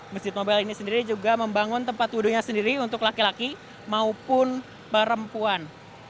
masjid mobile ini sendiri juga membangun tempat wudhunya sendiri untuk laki laki maupun perempuan